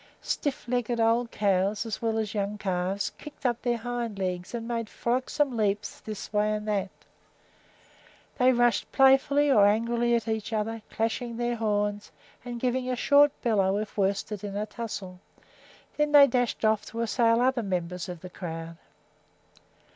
Stiff legged old cows, as well as young calves, kicked up their hind legs and made frolicsome leaps this way and that. They rushed playfully or angrily at each other, clashing their horns, and giving a short bellow if worsted in the tussle; then they dashed off to assail other members of the crowd.